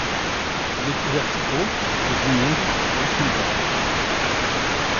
Elle est ouverte aux et du monde pour le snowboard.